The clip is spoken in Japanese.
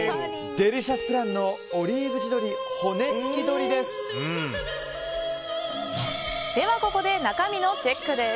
デリシャスプランのオリーブ地鶏骨付鶏です。